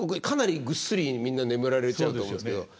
かなりぐっすりみんな眠られちゃうと思うんですけど。